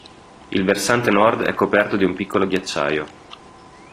Il versante nord è coperto di un piccolo ghiacciaio.